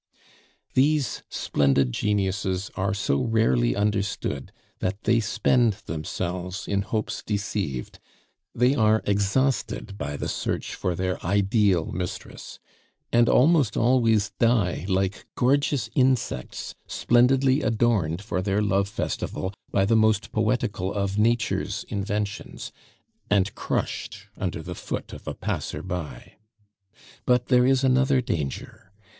These splendid geniuses are so rarely understood that they spend themselves in hopes deceived; they are exhausted by the search for their ideal mistress, and almost always die like gorgeous insects splendidly adorned for their love festival by the most poetical of nature's inventions, and crushed under the foot of a passer by. But there is another danger!